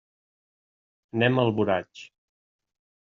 Anem a Alboraig.